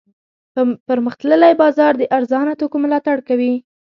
پرمختللی بازار د ارزانه توکو ملاتړ کوي.